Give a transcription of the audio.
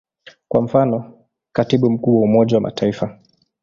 Kwa mfano, Katibu Mkuu wa Umoja wa Mataifa.